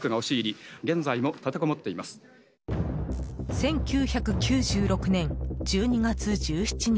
１９９６年１２月１７日。